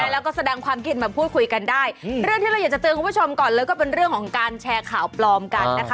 แล้วก็แสดงความเข็ดมาพูดคุยกันได้เรื่องที่จะตื่นกับผู้ชมก่อนแล้วก็จะแชร์ข้าวปลอมกันนะคะ